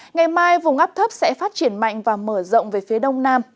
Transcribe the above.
ngày mai vùng áp thấp sẽ phát triển mạnh và mở rộng về phía đông nam